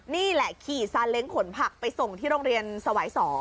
นี่แหละขี่ซาเล้งขนผักไปส่งที่โรงเรียนสวาย๒